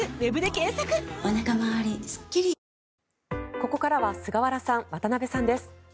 ここからは菅原さん、渡辺さんです。